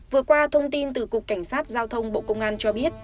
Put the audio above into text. vừa qua thông tin từ cục cảnh sát giao thông bộ công an cho biết